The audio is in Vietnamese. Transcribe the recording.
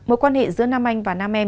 mối quan hệ giữa nam anh và nam em